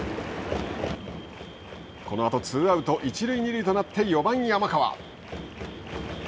このあとツーアウト一塁二塁となって４番山川。